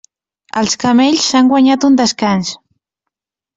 Els camells s'han guanyat un descans.